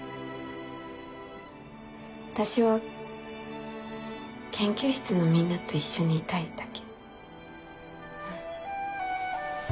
私は研究室のみんなと一緒にいたいだけ。